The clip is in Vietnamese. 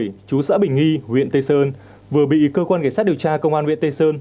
nguyễn thái bình nghi huyện tây sơn vừa bị cơ quan kẻ sát điều tra công an huyện tây sơn